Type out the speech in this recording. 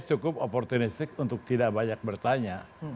dia cukup opportunistik untuk tidak banyak bertanya